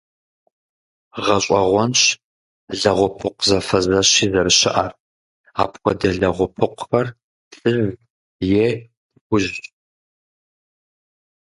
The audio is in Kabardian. Гъэщӏэгъуэнщ лэгъупыкъу зэфэзэщи зэрыщыӏэр, апхуэдэ лэгъупыкъухэр плъыжьщ е хужьщ.